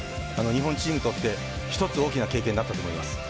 日本チームにとって１つ大きな経験になったと思います。